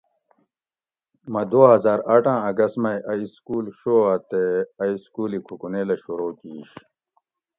مۤہ دو ہزار آٹھاۤں اگست مئ اۤ اسکول شہو اۤ تے اۤ اِسکول ای کوگونیلہ شورو کِیش